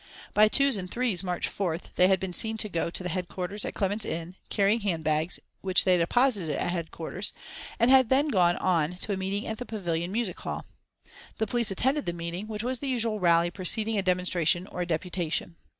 By twos and threes March 4th they had been seen to go to the headquarters at Clement's Inn, carrying handbags, which they deposited at headquarters, and had then gone on to a meeting at the Pavillion Music Hall. The police attended the meeting, which was the usual rally preceding a demonstration or a deputation.